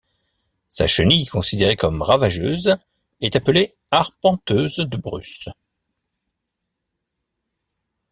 Sa chenille considérée comme ravageuse est appelée Arpenteuse de Bruce.